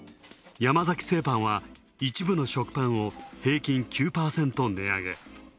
山崎製パンは１部の食パンを平均９％値上げ。